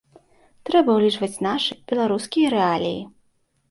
Трэба ўлічваць нашы, беларускія рэаліі.